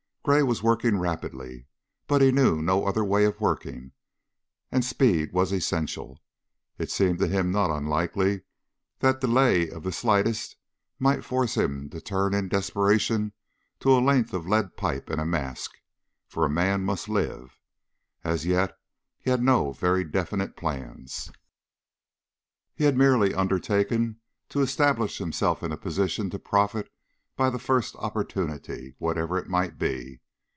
Gray was working rapidly, but he knew no other way of working, and speed was essential. It seemed to him not unlikely that delay of the slightest might force him to turn in desperation to a length of lead pipe and a mask, for a man must live. As yet he had no very definite plans, he had merely undertaken to establish himself in a position to profit by the first opportunity, whatever it might be.